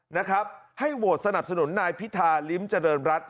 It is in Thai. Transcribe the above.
นะครับให้โหวตสนับสนุนนายพิธาลิ้มเจริญรัฐ